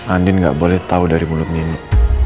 andin nggak boleh tau dari mulut nino